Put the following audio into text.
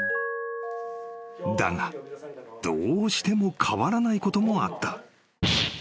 ［だがどうしても変わらないこともあった］